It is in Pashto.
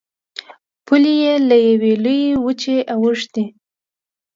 پولې یې له یوې لویې وچې اوښتې.